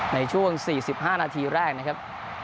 ในช่วง๔๕นาทีแรกนะครับ